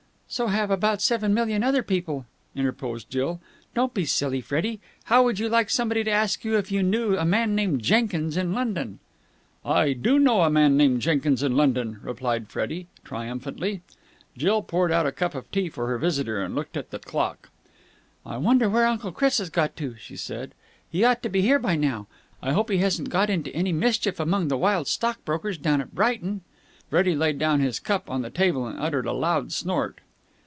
"So have about seven million other people," interposed Jill. "Don't be silly, Freddie. How would you like somebody to ask of you if you knew a man named Jenkins in London?" "I do know a man named Jenkins in London," replied Freddie triumphantly. Jill poured out a cup of tea for her visitor, and looked at the clock. "I wonder where Uncle Chris has got to," she said. "He ought to be here by now. I hope he hasn't got into any mischief among the wild stockbrokers down at Brighton." Freddie laid down his cup on the table and uttered a loud snort.